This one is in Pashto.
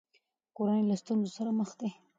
کورنۍ له ستونزو سره مخ دي.